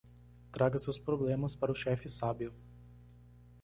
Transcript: Traga seus problemas para o chefe sábio.